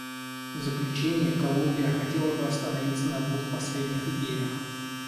В заключение Колумбия хотела бы остановиться на двух последних идеях.